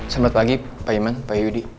selamat pagi pak iman pak yudi